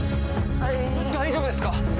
大丈夫ですか？